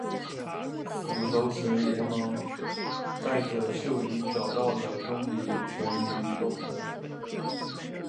斧头神连忙带着秀英找到了钟离权与吕洞宾。